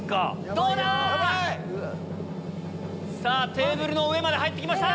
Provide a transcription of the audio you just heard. どうだ⁉テーブルの上まで入って来ました。